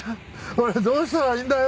俺どうしたらいいんだよ。